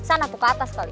atau ke atas kali